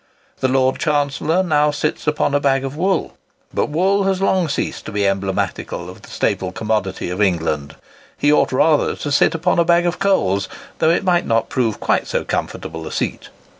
The Lord Chancellor now sits upon a bag of wool; but wool has long ceased to be emblematical of the staple commodity of England. He ought rather to sit upon a bag of coals, though it might not prove quite so comfortable a seat.